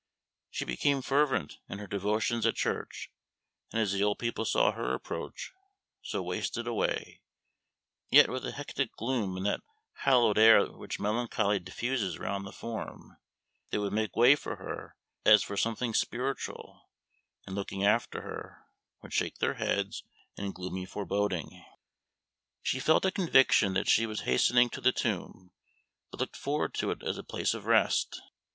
She became fervent in her devotions at church, and as the old people saw her approach, so wasted away, yet with a hectic gloom and that hallowed air which melancholy diffuses round the form, they would make way for her as for something spiritual, and looking after her, would shake their heads in gloomy foreboding. She felt a conviction that she was hastening to the tomb, but looked forward to it as a place of rest.